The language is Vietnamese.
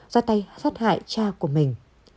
ra tay sát hại cha của mình